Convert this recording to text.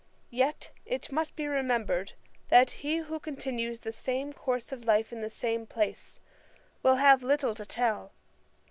Yet it must be remembered, that he who continues the same course of life in the same place, will have little to tell.